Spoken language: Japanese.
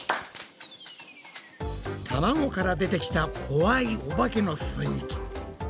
たまごから出てきた怖いおばけの雰囲気。